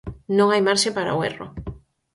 Non hai marxe para o erro.